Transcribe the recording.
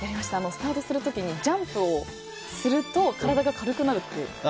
スタートする時にジャンプをすると体が軽くなるって。